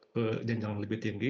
dengan jangka yang lebih tinggi